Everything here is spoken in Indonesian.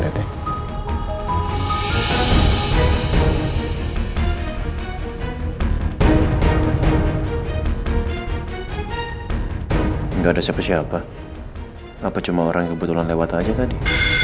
tidak ada siapa siapa apa cuma orang kebetulan lewat aja tadi